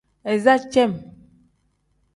Iza cem.